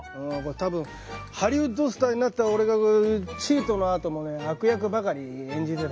多分ハリウッドスターになった俺が「チート」のあともね悪役ばかり演じてたからさ。